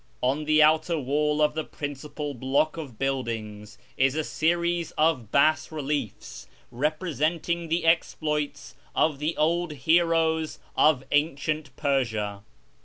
On the outer wall of the principal block of buildings is a series of bas reliefs representing the exploits of the old heroes of ancient Persia.